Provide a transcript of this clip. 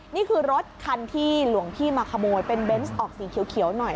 นี่คือรถคันที่หลวงพี่มาขโมยเป็นเบนส์ออกสีเขียวหน่อย